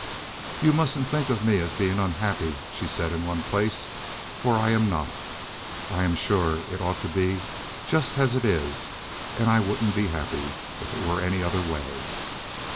"You mustn't think of me as being unhappy," she said in one place, "for I'm not. I am sure it ought to be just as it is, and I wouldn't be happy if it were any other way.